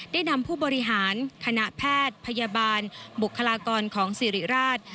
ได้นำผู้บริหารคณะแพทย์พยาบาลบุคลากรของสิริราช